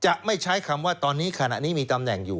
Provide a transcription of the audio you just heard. จะไม่ใช้คำว่าตอนนี้ขณะนี้มีตำแหน่งอยู่